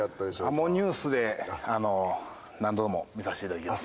もうニュースで何度も見させていただいてます。